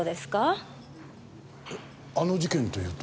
あの事件というと？